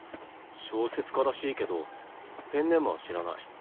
小説家らしいけどペンネームは知らない。